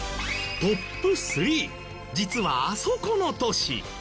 トップ３実はあそこの都市。